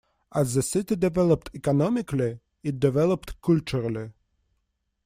As the city developed economically, it developed culturally.